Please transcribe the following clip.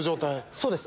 そうです。